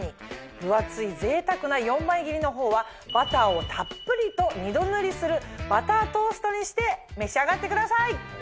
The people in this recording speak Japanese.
分厚いぜいたくな４枚切りの方はバターをたっぷりと２度塗りするバタートーストにして召し上がってください！